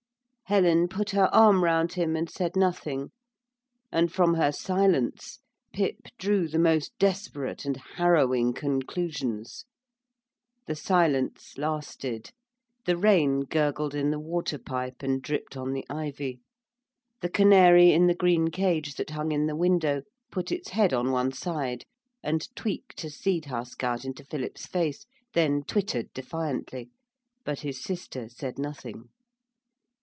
Helen put her arm round him and said nothing. And from her silence Pip drew the most desperate and harrowing conclusions. The silence lasted. The rain gurgled in the water pipe and dripped on the ivy. The canary in the green cage that hung in the window put its head on one side and tweaked a seed husk out into Philip's face, then twittered defiantly. But his sister said nothing.